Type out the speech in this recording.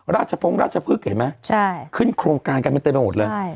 ราชพงราชพฤกษ์เห็นไหมขึ้นโครงการกันมันเต็มไปหมดเลย